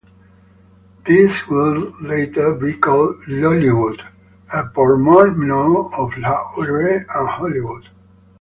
This would later be called "Lollywood", a portmanteau of Lahore and Hollywood.